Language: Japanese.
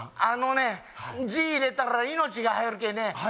あのね字入れたら命が入るけえね